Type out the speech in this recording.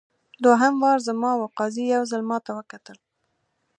دوهم وار زما وو قاضي یو ځل ماته وکتل.